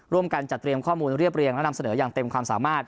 จัดเตรียมข้อมูลเรียบเรียงและนำเสนออย่างเต็มความสามารถ